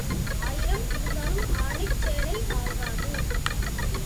ஆயிரம் ஆனாலும் ஆரணிச் சேலை ஆகாது.